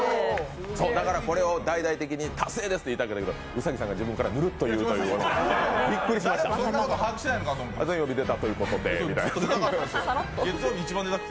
だからこれを大々的に達成ですと言いたかったけど兎さんが自分からぬるっと言う、びっくりしました。